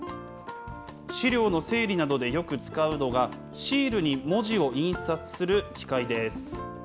資料の整理などでよく使うのが、シールに文字を印刷する機械です。